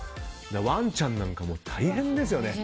ワンちゃんなんかもう大変ですよね。